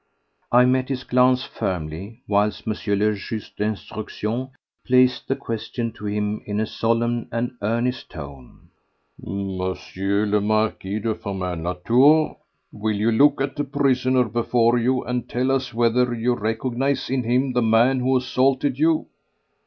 I met his glance firmly whilst M. le Juge d'instruction placed the question to him in a solemn and earnest tone: "M. le Marquis de Firmin Latour, will you look at the prisoner before you and tell us whether you recognize in him the man who assaulted you?"